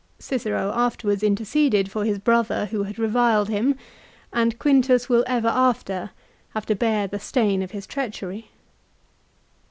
Cicero after wards interceded for his brother who had reviled him, and Quintus will ever after have to bear the stain of his treachery.